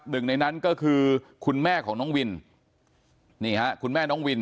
หนึ่งในนั้นก็คือคุณแม่ของน้องวินนี่ฮะคุณแม่น้องวิน